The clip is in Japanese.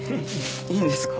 いいんですか？